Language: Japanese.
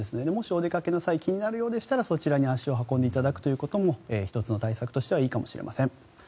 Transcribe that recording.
お出かけの際気になるということであればそちらに足を運んでいただくというのも１つの対策としてはいいかもしれません。